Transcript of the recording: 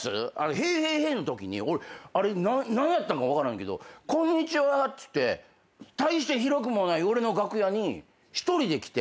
『ＨＥＹ！ＨＥＹ！ＨＥＹ！』のときにあれ何やったか分からんけど「こんにちは」っつって大して広くもない俺の楽屋に一人で来て。